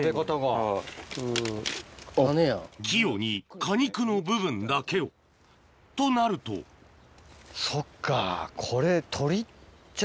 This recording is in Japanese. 器用に果肉の部分だけをとなるとそっかこれ。